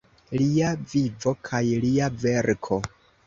Lia vivo kaj lia verko.